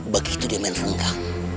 begitu dia main runggang